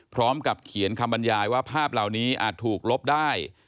พร้อมกับเขียนคำบรรยายว่าภาพเหล่านี้อาจถูกลบได้